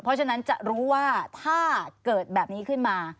เพราะฉะนั้นจะรู้ว่าถ้าเกิดแบบนี้ขึ้นมา